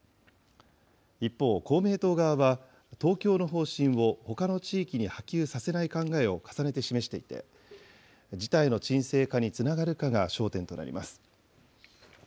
一方、公明党側は東京の方針をほかの地域に波及させない考えを重ねて示していて、事態の沈静化につながるかが焦点となります。